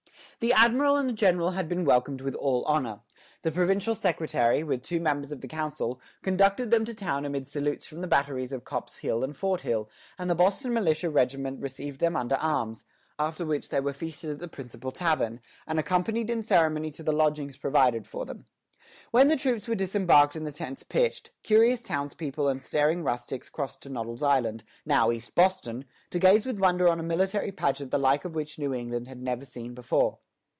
" The Admiral and the General had been welcomed with all honor. The provincial Secretary, with two members of the Council, conducted them to town amid salutes from the batteries of Copp's Hill and Fort Hill, and the Boston militia regiment received them under arms; after which they were feasted at the principal tavern, and accompanied in ceremony to the lodgings provided for them. When the troops were disembarked and the tents pitched, curious townspeople and staring rustics crossed to Noddle's Island, now East Boston, to gaze with wonder on a military pageant the like of which New England had never seen before.